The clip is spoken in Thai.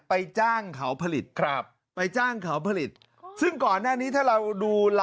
ไปจ้างเขาผลิตครับไปจ้างเขาผลิตซึ่งก่อนหน้านี้ถ้าเราดู